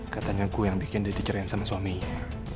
katanya gue yang bikin dia diceritain sama suaminya